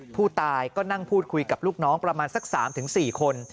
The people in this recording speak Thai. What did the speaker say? ผู้ตายก็นั่งพูดคุยกับลูกน้องประมาณสัก๓๔คน